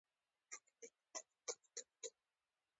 غوثو یو آزار کوونکی پایلوچ وو.